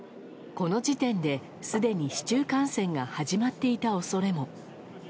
この時点ですでに市中感染が始まっていた恐れも。